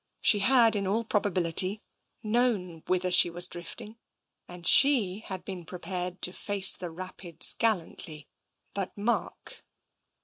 She had in all probability known whither she was drifting, and she had been prepared to face the rapids gallantly. But Mark